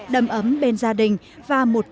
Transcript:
đầm ấm bên gia đình và một trăm linh giá tết sẽ đi